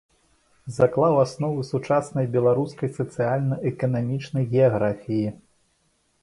Заклаў асновы сучаснай беларускай сацыяльна-эканамічнай геаграфіі.